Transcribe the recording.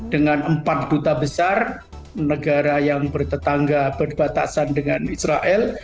dengan empat duta besar negara yang bertetangga berbatasan dengan israel